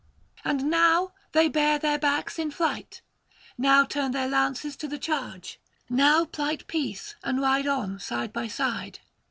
And now they bare their backs in flight, now turn their lances to the charge, now plight peace and ride on side by side.